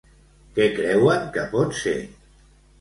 Què creuen que pot ser?